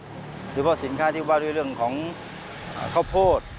โดยเฉพาะสินค้าที่บ้านด้วยเรื่องของข้าวโพด